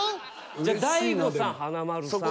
じゃ大悟さん華丸さん。